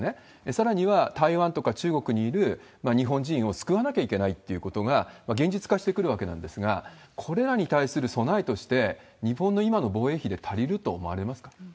さらには台湾とか中国にいる日本人を救わなきゃいけないってことが現実化してくるわけなんですが、これらに対する備えとして、日本の今の防衛費で足りると思われますか？